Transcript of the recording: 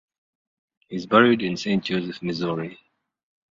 He is buried in Saint Joseph, Missouri.